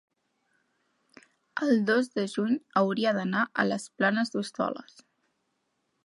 el dos de juny hauria d'anar a les Planes d'Hostoles.